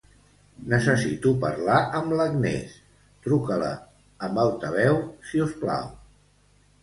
Necessito parlar amb l'Agnès; truca-la amb altaveu, si us plau.